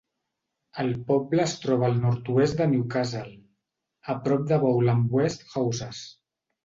El poble es troba al nord-oest de Newcastle, a prop de Bolam West Houses.